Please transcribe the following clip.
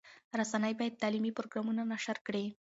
رسنۍ باید تعلیمي پروګرامونه نشر کړي.